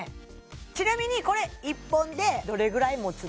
ちなみにこれ１本でどれぐらいもつの？